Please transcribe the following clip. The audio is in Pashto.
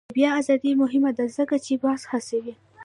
د بیان ازادي مهمه ده ځکه چې بحث هڅوي.